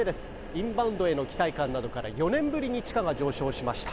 インバウンドへの期待感などから４年ぶりに地価が上昇しました。